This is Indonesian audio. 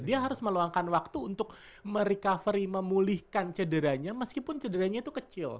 dia harus meluangkan waktu untuk merecovery memulihkan cederanya meskipun cederanya itu kecil